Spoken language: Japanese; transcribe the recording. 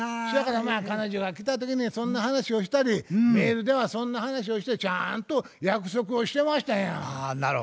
そやからまあ彼女が来た時にそんな話をしたりメールではそんな話をしてちゃんと約束をしてましたんや。